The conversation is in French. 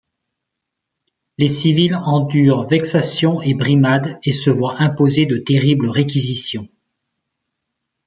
Les civils endurent vexations et brimades et se voient imposer de terribles réquisitions.